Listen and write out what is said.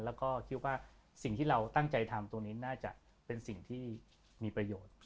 แล้วก็คิดว่าสิ่งที่เราตั้งใจทำตรงนี้น่าจะเป็นสิ่งที่มีประโยชน์